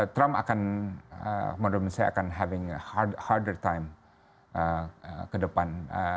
trump akan menurut saya akan having harder time ke depan